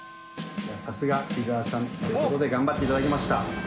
さすが伊沢さんということで頑張っていただきました。